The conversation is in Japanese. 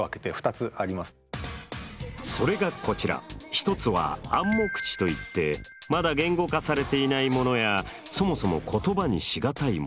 一つは暗黙知といってまだ言語化されていないものやそもそも言葉にしがたいもの。